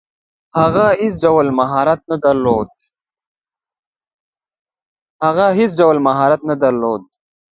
هغه هیڅ ډول مهارت نه درلود.